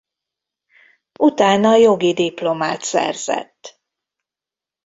Utána jogi diplomát szerzett.